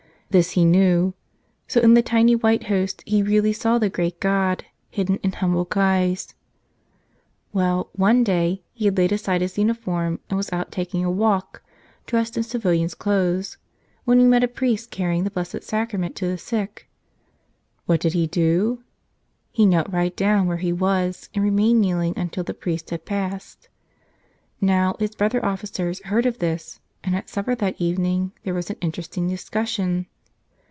This he knew; so in the tiny white Host he really saw the great God, hidden in humble guise. 122 " Honor to Whom Honor is Due" Well, one day he had laid aside his uniform and was out taking a walk, dressed in civilian's clothes, when he met a priest carrying the Blessed Sacrament to the sick. What did he do? He knelt right down where he was and remained kneeling until the priest had passed. Now, his brother officers heard of this, and at supper that evening there was an interesting discussion.